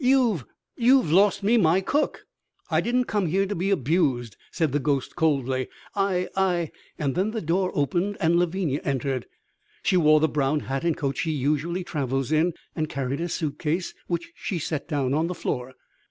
"You've you've lost me my cook " "I didn't come here to be abused," said the ghost coldly. "I I " And then the door opened and Lavinia entered. She wore the brown hat and coat she usually travels in and carried a suitcase which she set down on the floor.